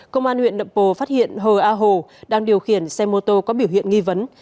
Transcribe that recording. công an huyện nậm pồ phát hiện hờ a hồ đang điều khiển xe mô tô có biểu hiện nghi vấn